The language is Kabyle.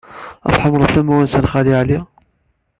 Tḥemmleḍ tamwansa n Xali Ɛli?